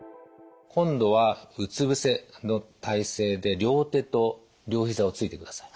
今度はうつぶせの体勢で両手と両膝をついてください。